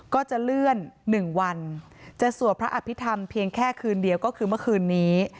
ก็จะเลื่อน๑วันจะสวดพระอภิษฐรรมเพียงแค่คืนเดียวก็คือเมื่อคืนนี้